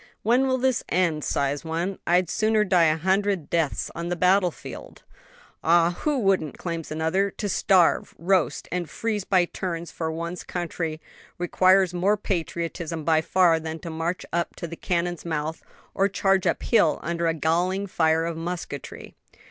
"When will this end?" sighs one. "I'd sooner die a hundred deaths on the battle field." "Ah, who wouldn't?" exclaims another; "to starve, roast, and freeze by turns for one's country, requires more patriotism by far than to march up to the cannon's mouth, or charge up hill under a galling fire of musketry."